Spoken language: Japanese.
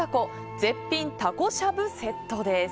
絶品たこしゃぶセットです。